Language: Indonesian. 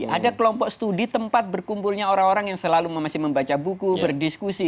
ada kelompok studi tempat berkumpulnya orang orang yang selalu masih membaca buku berdiskusi